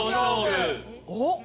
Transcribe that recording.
おっ！